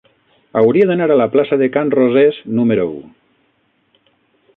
Hauria d'anar a la plaça de Can Rosés número u.